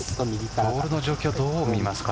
ボールの状況はどう見ますか？